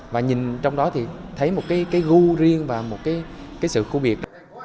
và nhìn trong đó thì thấy một cái gu riêng và một cái sự khu biệt